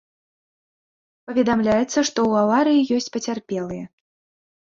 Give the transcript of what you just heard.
Паведамляецца, што ў аварыі ёсць пацярпелыя.